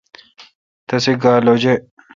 تسے گا لوجے°۔